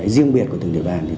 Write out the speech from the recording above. riêng biệt của tình hình địa bàn